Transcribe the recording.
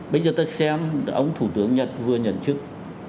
bây giờ ta xem ông thủ tướng nhật vừa nhận chức